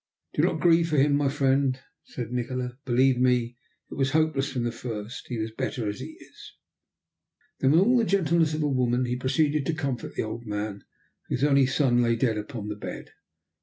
"Do not grieve for him, my friend," said Nikola. "Believe me, it was hopeless from the first. He is better as it is." Then, with all the gentleness of a woman, he proceeded to comfort the old man, whose only son lay dead upon the bed.